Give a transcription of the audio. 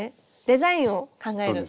デザインを考える。